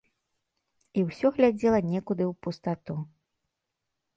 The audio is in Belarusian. І ўсё глядзела некуды ў пустату.